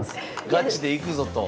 ガチでいくぞと。